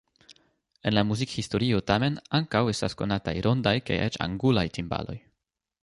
En la muzikhistorio tamen ankaŭ estas konataj rondaj kaj eĉ angulaj timbaloj.